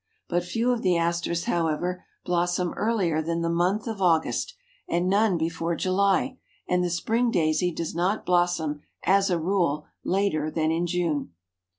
But few of the Asters, however, blossom earlier than the month of August and none before July, and the Spring Daisy does not blossom, as a rule, later than in June.